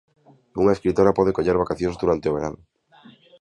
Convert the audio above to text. Unha escritora pode coller vacacións durante o verán?